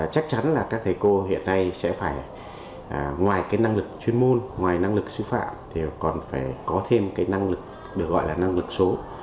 chắc chắn là các thầy cô hiện nay sẽ phải ngoài cái năng lực chuyên môn ngoài năng lực sư phạm thì còn phải có thêm cái năng lực được gọi là năng lực số